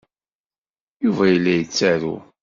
Yuba yella yettaru.